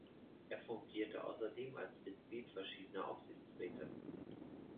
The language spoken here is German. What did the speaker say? Er fungierte außerdem als Mitglied verschiedener Aufsichtsräte.